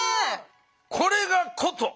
これが箏。